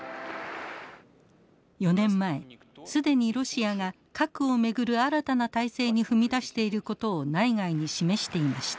４年前既にロシアが核を巡る新たな態勢に踏み出していることを内外に示していました。